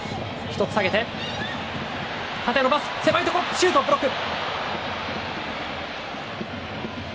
シュート、ブロック。